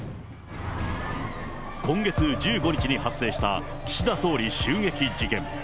今月１５日に発生した、岸田総理襲撃事件。